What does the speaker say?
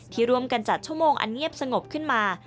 ที่ร่วมกันจัดชั่วโมงอันเงียบสงบขึ้นมา